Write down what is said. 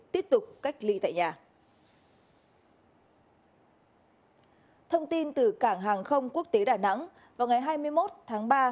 thông tin từ cảng hàng không quốc tế đà nẵng vào ngày hai mươi một tháng ba